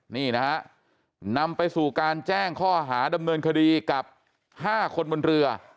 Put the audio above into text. นี่นะฮะนำไปสู่การแจ้งข้อหาดำเนินคดีกับ๕คนบนเรือ